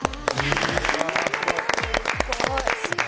すごい。